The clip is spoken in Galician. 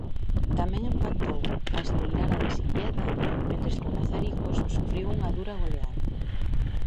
Tamén empatou a Esteirana en Silleda, mentres que o Mazaricos sufriu unha dura goleada.